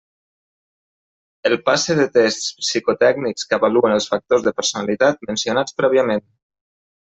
El passe de tests psicotècnics que avaluen els factors de personalitat mencionats prèviament.